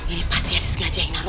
ini pasti ada sengaja yang naro